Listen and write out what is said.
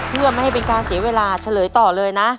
เพื่อไม่ให้เป็นการเสียเวลาเฉลยต่อเลยนะ